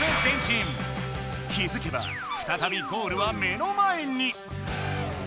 気づけばふたたびゴールは目の前に！